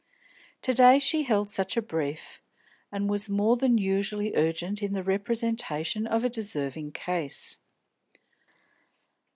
To day she held such a brief, and was more than usually urgent in the representation of a deserving case.